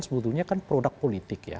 sebetulnya kan produk politik ya